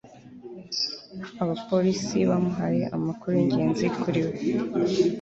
abapolisi bamuhaye amakuru yingenzi kuri we